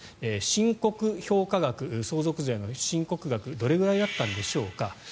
申告評価額、相続税の申告額はどれくらいだったんでしょうか。